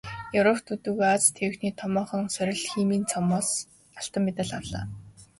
Европ төдийгүй Ази тивийнхний томоохон сорил "Химийн цом"-оос алтан медаль авлаа.